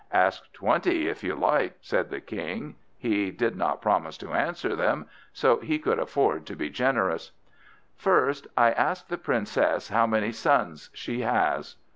"Ask twenty, if you like," said the King. He did not promise to answer them, so he could afford to be generous. "First, I ask the Princess how many sons she has?"